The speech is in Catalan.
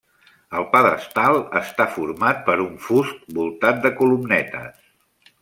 El pedestal està format per un fust voltat de columnetes.